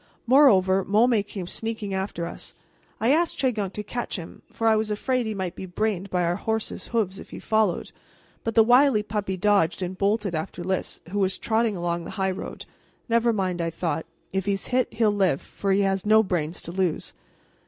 Moreover, Môme came sneaking after us. I asked Tregunc to catch him, for I was afraid he might be brained by our horses' hoofs if he followed, but the wily puppy dodged and bolted after Lys, who was trotting along the highroad. "Never mind," I thought; "if he's hit he'll live, for he has no brains to lose."